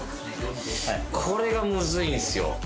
これがむずいんすよ